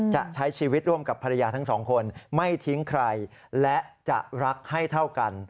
จะใช้ชีวิตร่วมกับภรรยาทั้งสองคนไม่ทิ้งใครและจะรักให้เท่ากัน